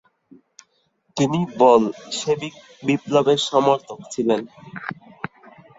তিনি বলশেভিক বিপ্লবের সমর্থক ছিলেন।